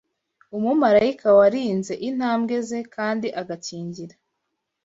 umumarayika warinze intambwe ze kandi agakingira